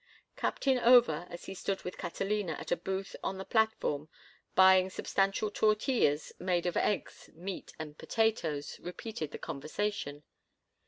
Captain Over, as he stood with Catalina at a booth on the platform buying substantial tortillas made of eggs, meat, and potatoes, repeated the conversation.